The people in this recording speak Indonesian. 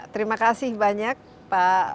terima kasih banyak pak